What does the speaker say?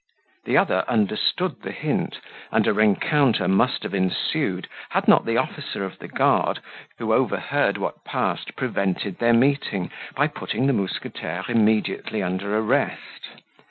The other understood the hint; and a rencounter must have ensued had not the officer of the guard, who overheard what passed, prevented their meeting, by putting the mousquetaire immediately under arrest.